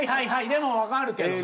でもわかるけどな。